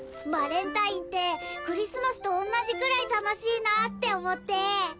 バレンタインってクリスマスとおんなじぐらい楽しいなぁって思って。